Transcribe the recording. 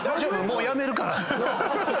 もう辞めるから。